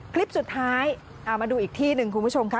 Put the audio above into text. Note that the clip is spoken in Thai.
คลิปสุดท้ายเอามาดูอีกที่หนึ่งคุณผู้ชมค่ะ